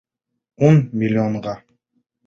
Ун миллионға.